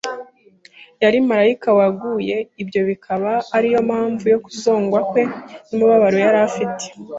yari marayika waguye, ibyo bikaba ari yo mpamvu yo kuzongwa kwe n’umubabaro yari afite.